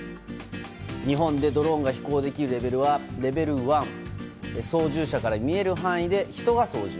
日本でドローンが飛行できるレベルは、レベル１操縦者から見える範囲で人が操縦。